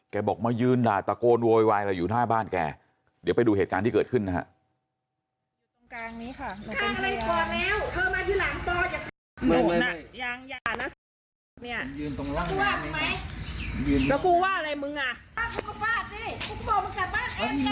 บอกมายืนด่าตะโกนโวยวายอะไรอยู่หน้าบ้านแกเดี๋ยวไปดูเหตุการณ์ที่เกิดขึ้นนะฮะ